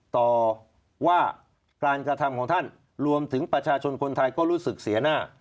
ต่อว่าการกระทำของท่านรวมถึงประชาชนคนไทยก็รู้สึกเสียหน้า